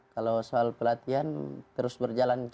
kalau soal pelatihan terus berjalan